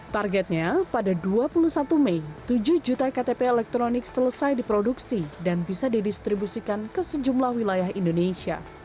targetnya pada dua puluh satu mei tujuh juta ktp elektronik selesai diproduksi dan bisa didistribusikan ke sejumlah wilayah indonesia